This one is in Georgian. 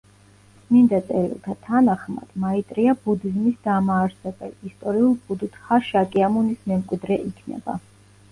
წმინდა წერილთა თანახმად, მაიტრეა ბუდიზმის დამაარსებელ ისტორიულ ბუდდჰა შაკიამუნის მემკვიდრე იქნება.